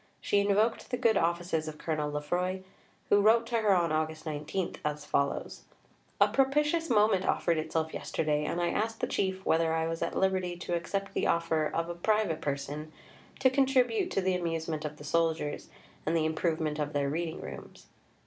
She invoked the good offices of Colonel Lefroy, who wrote to her on August 19 as follows: "A propitious moment offered itself yesterday, and I asked the Chief whether I was at liberty to accept the offer of 'a private person' to contribute to the amusement of the Soldiers, and the improvement of their Reading rooms.